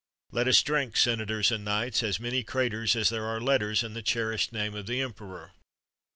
Let us drink, senators and knights, as many craters as there are letters in the cherished name of the emperor."